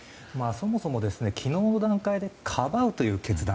そもそも昨日の段階でかばうという決断